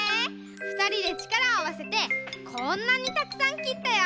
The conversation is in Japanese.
ふたりでちからをあわせてこんなにたくさんきったよ！